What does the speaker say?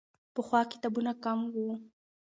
پخوا کتابونه کم وو.